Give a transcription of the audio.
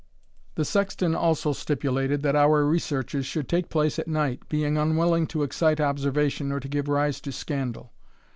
The sexton also stipulated, that our researches should take place at night, being unwilling to excite observation, or give rise to scandal.